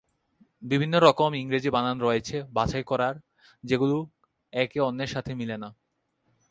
বিভিন্ন রকম ইংরেজি বানান রয়েছে বাছাই করার যেগুলো একে অন্যের সাথে মিলে না।